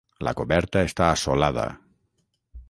La coberta està assolada.